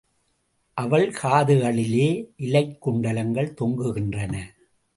அவள் காதுகளிலே இலைக் குண்டலங்கள் தொங்குகின்றன.